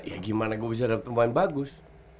ya gimana gue bisa dapet pemain bagus